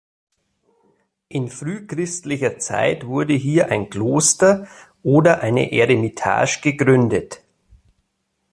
In frühchristlicher Zeit wurde hier ein Kloster oder eine Eremitage gegründet.